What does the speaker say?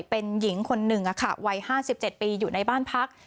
เป็นหญิงคนหนึ่งค่ะวัยห้าสิบเจ็ดปีอยู่ในบ้านพัก